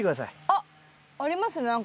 あっありますね何か。